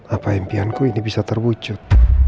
apa impianku ini bisa terwujud